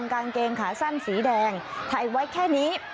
กางเกงขาสั้นสีแดงถ่ายไว้แค่นี้